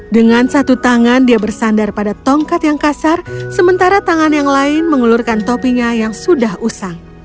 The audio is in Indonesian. dengan satu tangan dia bersandar pada tongkat yang kasar sementara tangan yang lain mengelurkan topinya yang sudah usang